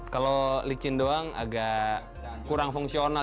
kalau licin doang agak kurang fungsional